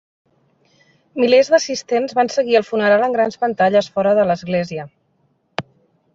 Milers d'assistents van seguir el funeral en grans pantalles fora de l'església.